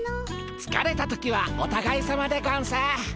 つかれた時はおたがいさまでゴンス。